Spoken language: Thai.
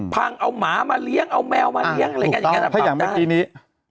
พังเอาหมามาเลี้ยงเอาแมวมาเลี้ยงอะไรอย่างนั้นถ้าปรับได้